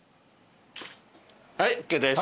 はいＯＫです。